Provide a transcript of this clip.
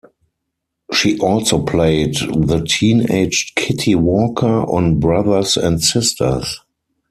She also played the teenaged Kitty Walker on "Brothers and Sisters".